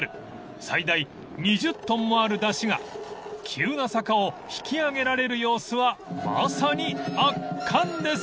［最大２０ｔもある山車が急な坂を引き上げられる様子はまさに圧巻です］